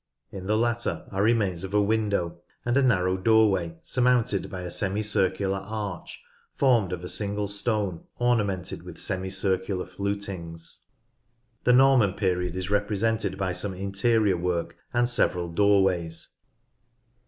In the latter are ARCHITECTURE— ECCLESIASTICAL 1 27 remains of a window, and a narrow doorway, surmounted by a semi circular arch formed of a single stone orna mented with semi circular flutings. The Norman period is represented by some interior work, and several doorways.